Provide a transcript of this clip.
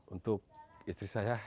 untuk istri saya